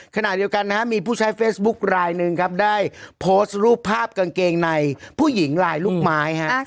ขณะเดียวกันนะฮะมีผู้ใช้เฟซบุ๊คลายหนึ่งครับได้โพสต์รูปภาพกางเกงในผู้หญิงลายลูกไม้ฮะ